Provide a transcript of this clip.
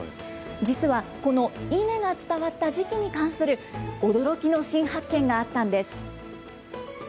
実はこのイネが伝わった時期に関する驚きの新発見があったんです。